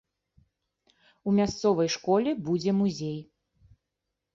У мясцовай школе будзе музей.